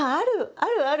あるある！